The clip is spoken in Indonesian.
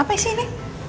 apa sih ini